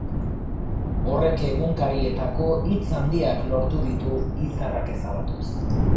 Horrek egunkarietako hitz handiak lortu ditu izarrak ezabatuz.